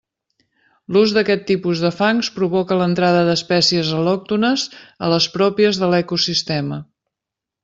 L'ús d'aquest tipus de fangs provoca l'entrada d'espècies al·lòctones a les pròpies de l'ecosistema.